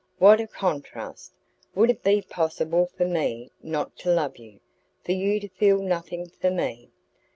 "What a contrast! Would it be possible for me not to love you, for you to feel nothing for me?